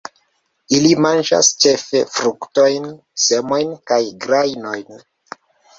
Ili manĝas ĉefe fruktojn, semojn kaj grajnojn.